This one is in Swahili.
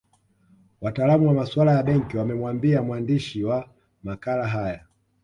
Wataalamu wa masuala ya benki wamemwambia mwandishi wa makala haya